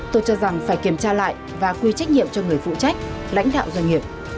tôi cho rằng phải kiểm tra lại và quy trách nhiệm cho người phụ trách lãnh đạo doanh nghiệp